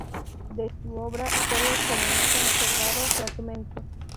De su obra solo se han conservado fragmentos.